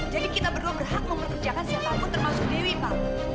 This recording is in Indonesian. jadi kita berdua berhak mempekerjakan siapapun termasuk dewi pak